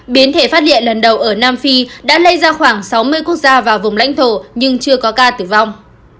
biến thể phát điện lần đầu ở nam phi đã lây ra khoảng sáu mươi quốc gia và vùng lãnh thổ nhưng chưa có ca tử vong